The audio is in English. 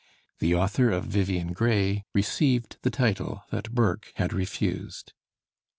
The author of 'Vivian Grey' received the title that Burke had refused.